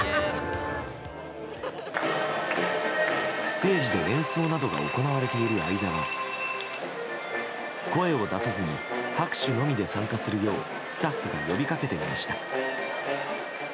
ステージで演奏などが行われている間は声を出さずに拍手のみで参加するようスタッフが呼び掛けていました。